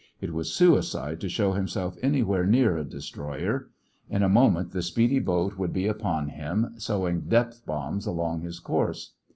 It was suicide to show himself anywhere near a destroyer. In a moment the speedy boat would be upon him, sowing depth bombs along his course.